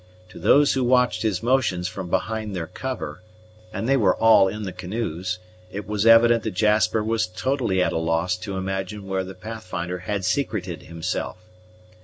To those who watched his motions from behind their cover, and they were all in the canoes, it was evident that Jasper was totally at a loss to imagine where the Pathfinder had secreted himself.